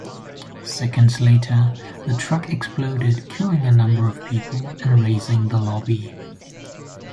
Seconds later, the truck exploded, killing a number of people and razing the lobby.